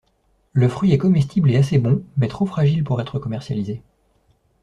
Le fruit est comestible et assez bon mais trop fragile pour être commercialisé.